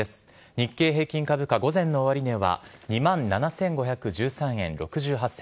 日経平均株価午前の終値は２万７５１３円６８銭。